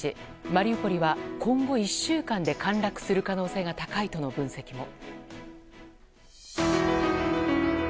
マリウポリは今後１週間で陥落する可能性が高いとの分析も。